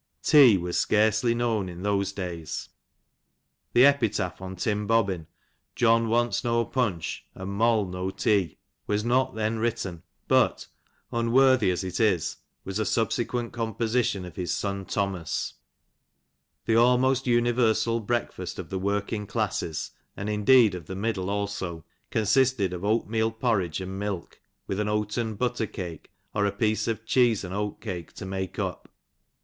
Tea was scarcely known in those days. The epitaph on Tim Bobbin, John w«nt8 no panch, And HoU no tea," was not then written, but, unworthy as it is, was a subsequent composition of his son Thomas. The almost universal breakfast of the working classes, and indeed of the middle also, consisted of oatmeal porridge, and milk, with an oaten butter cake, or a piece of cheese and oat cake, to make up.